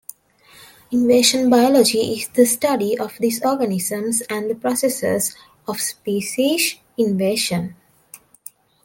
"Invasion biology" is the study of these organisms and the processes of species invasion.